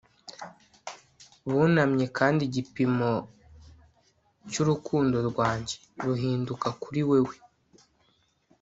Bunamye kandi igipimo cyurukundo rwanjye ruhinduka kuri wewe